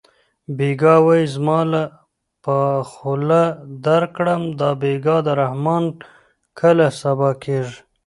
بېګا وایې سبا له به خوله درکړم دا بېګا د رحمان کله سبا کېږي